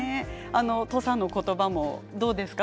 土佐の言葉もどうですか？